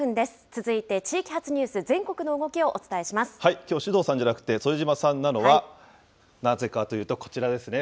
続いて、地域発ニュース、全国のきょう、首藤さんじゃなくて、副島さんなのは、なぜかというと、こちらですね。